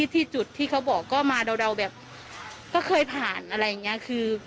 ที่จุดที่เขาบอกก็มาเดาแบบก็เคยผ่านอะไรอย่างนี้